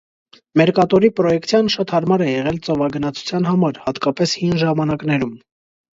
Մերկատորի պրոյեկցիան շատ հարմար է եղել ծովագնացության համար, հատկապես հին ժամանակներում։